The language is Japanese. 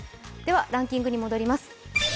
ではランキングに戻ります。